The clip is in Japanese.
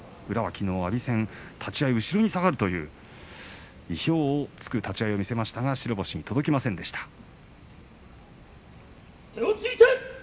宇良はきのう後ろに下がるという意表を突く立ち合いを見せましたが白星に届きませんでした。